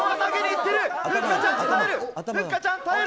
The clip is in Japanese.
ふっかちゃん、耐える。